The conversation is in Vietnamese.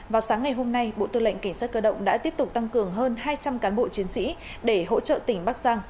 vào sáng ngày hôm nay bộ tư lệnh cảnh sát cơ động đã tiếp tục tăng cường hơn hai trăm linh cán bộ chiến sĩ để hỗ trợ tỉnh bắc giang